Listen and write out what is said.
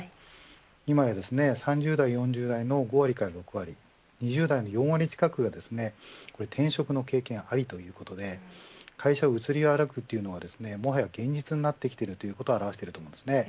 今３０代、５０代の５割か６割２０代の４割近くが転職の経験ありということで会社を移り歩くというのはもはや現実になってきていることを表していると思います。